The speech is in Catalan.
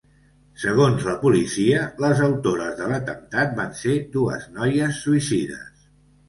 Segons la policia les autores de l’atemptat van ser dues noies suïcides.